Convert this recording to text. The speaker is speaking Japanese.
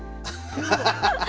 ハハハハ！